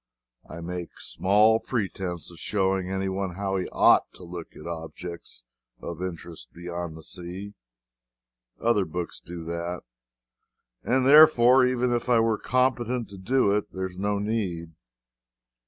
I make small pretense of showing anyone how he ought to look at objects of interest beyond the sea other books do that, and therefore, even if I were competent to do it, there is no need.